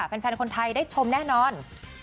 แฟนคนไทยได้ชมแน่นอน